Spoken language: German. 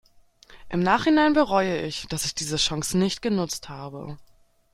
Im Nachhinein bereue ich, dass ich diese Chance nicht genutzt habe.